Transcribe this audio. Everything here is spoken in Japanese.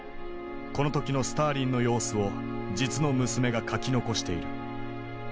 この時のスターリンの様子を実の娘が書き残している。